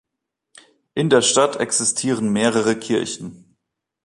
In der Stadt existieren mehrere Kirchen.